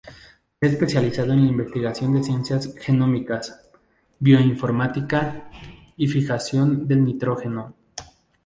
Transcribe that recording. Se ha especializado en la investigación de ciencias genómicas, bioinformática y fijación del nitrógeno.